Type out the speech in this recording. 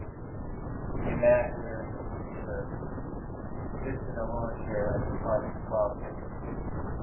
A man wearing a pink shirt, sits in a lawn chair at the park while fishing.